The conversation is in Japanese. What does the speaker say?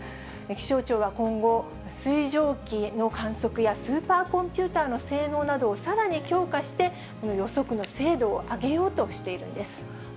気象庁は今後、水蒸気の観測やスーパーコンピューターの性能などをさらに強化して、この予測の精度を上げようとしているんです。